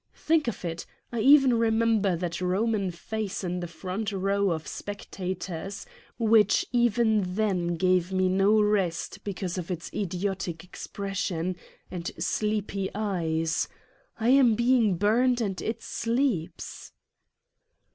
Think of it: I even re member that Roman face in the front row of spec tators, which even then gave me no rest because of its idiotic expression and sleepy eyes: I am being burned and it sleeps